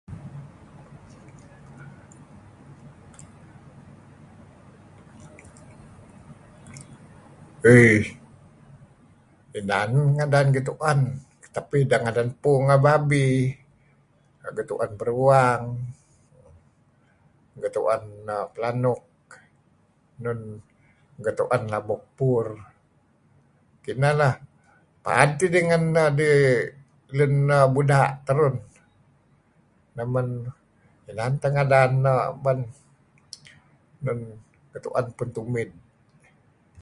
tui um inan ngadan getu'en tapi ideh ngadan puung abi-abi getu'en beruang getu'en um pelanuk um getu'en labo pur kineh leh pad tidih ngen dih lun buda terun neh men inan teh getu'en ngadan um getu'en pun tumid